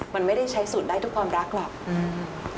มันไม่ได้ใช้สูตรได้ทุกความรักหรอกอืม